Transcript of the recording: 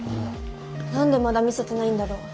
何でまだ見せてないんだろう。